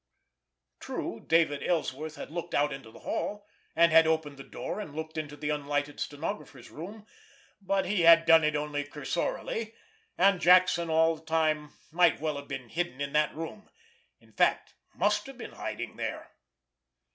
True, David Ellsworth had looked out into the hall, and had opened the door and looked into the unlighted stenographer's room, but he had done it only cursorily, and Jackson all the time might well have been hiding in that room—in fact, must have been hiding there.